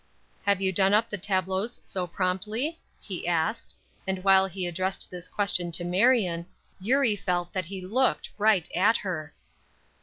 "Have you done up the tableaux so promptly?" he asked. And while he addressed his question to Marion, Eurie felt that he looked right at her.